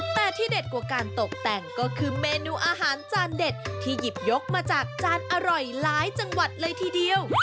แต่ที่เด็ดกว่าการตกแต่งก็คือเมนูอาหารจานเด็ดที่หยิบยกมาจากจานอร่อยหลายจังหวัดเลยทีเดียว